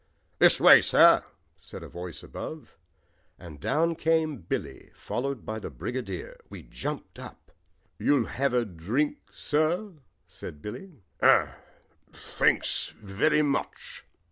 "This way, sir," said a voice above, and down came Billy, followed by the Brigadier. We jumped up. "You'll have a drink, sir?" said Billy. "Oh, thanks very much."